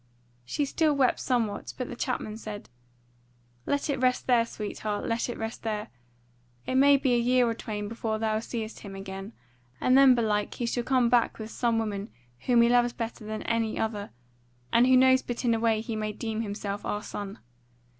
She still wept somewhat; but the chapman said: "Let it rest there, sweetheart! let it rest there! It may be a year or twain before thou seest him again: and then belike he shall be come back with some woman whom he loves better than any other; and who knows but in a way he may deem himself our son.